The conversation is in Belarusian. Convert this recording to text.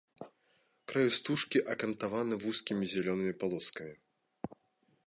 Краю стужкі акантаваны вузкімі зялёнымі палоскамі.